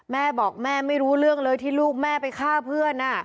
แม่บอกแม่ไม่รู้เรื่องเลยที่ลูกแม่ไปฆ่าเพื่อน